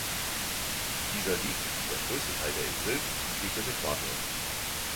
Dieser liegt wie der größte Teil der Insel südlich des Äquators.